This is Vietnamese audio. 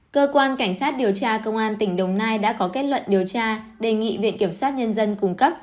cơ quan cảnh sát điều tra công an tỉnh đồng nai đã có kết luận điều tra đề nghị viện kiểm sát nhân dân cung cấp